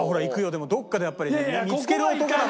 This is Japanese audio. でもどこかでやっぱり見つける男だもんね。